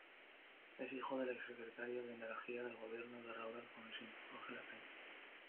Es hijo del ex secretario de energía del gobierno de Raúl Alfonsín, Jorge Lapeña.